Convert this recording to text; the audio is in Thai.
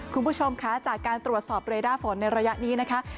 คุณผู้ชมคะจากการตรวจสอบเรด้าฝนในระยะนี้นะคะ